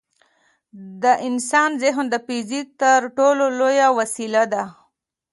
د انسان ذهن د فزیک تر ټولو لوی وسیله ده.